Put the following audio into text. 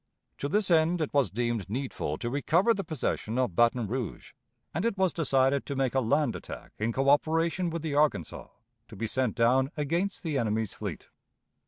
To this end it was deemed needful to recover the possession of Baton Rouge, and it was decided to make a land attack in coöperation with the Arkansas, to be sent down against the enemy's fleet.